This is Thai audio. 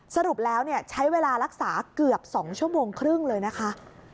สรุปแล้วใช้เวลารักษาเกือบ๒ชั่วโมงครึ่งเลยนะคะ